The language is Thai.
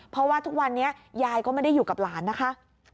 เพราะว่าทุกวันนี้ยายก็ไม่ได้อยู่กับหลานนะคะ